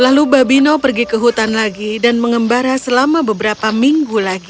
lalu babino pergi ke hutan lagi dan mengembara selama beberapa minggu lagi